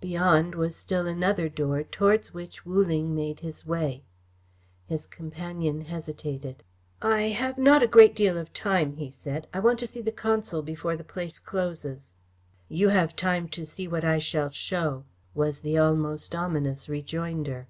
Beyond was still another door towards which Wu Ling made his way. His companion hesitated. "I have not a great deal of time," he said. "I want to see the Consul before the place closes." "You have time to see what I shall show," was the almost ominous rejoinder.